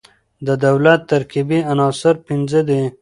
د دولت ترکيبي عناصر پنځه دي.